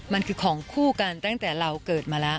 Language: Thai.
มันคือของคู่กันตั้งแต่เราเกิดมาแล้ว